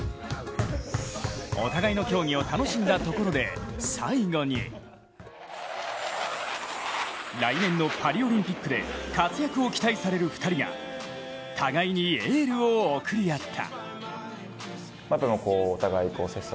お互いの競技を楽しんだところで最後に来年のパリオリンピックで活躍を期待される２人が互いにエールを送り合った。